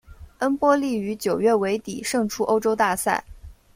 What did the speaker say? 恩波利于九月尾底胜出欧洲大赛。